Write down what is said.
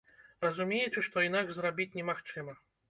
Разумеючы, што інакш зрабіць немагчыма.